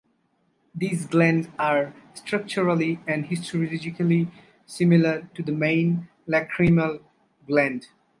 These glands are structurally and histologically similar to the main lacrimal gland.